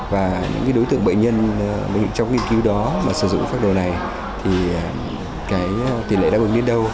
và những đối tượng bệnh nhân trong nghiên cứu đó mà sử dụng phác đồ này thì tỷ lệ đáp ứng đến đâu